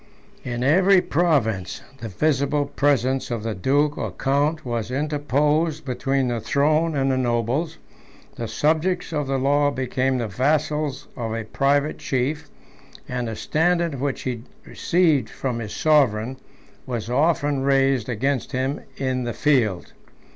In every province, the visible presence of the duke or count was interposed between the throne and the nobles; the subjects of the law became the vassals of a private chief; and the standard which he received from his sovereign, was often raised against him in the field.